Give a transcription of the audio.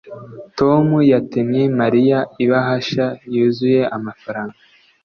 tom yatemye mariya ibahasha yuzuye amafaranga